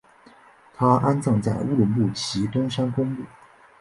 他安葬在乌鲁木齐东山公墓。